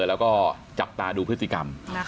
แล้วก็จับตาดูพฤติกรรม